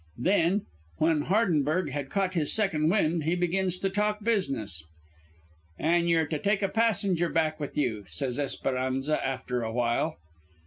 "Well, when Hardenberg had caught his second wind, we begins to talk business. "'An' you're to take a passenger back with you,' says Esperanza after awhile.